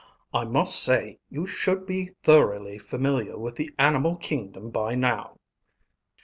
I must say, you should be thoroughly familiar with the animal kingdom by now."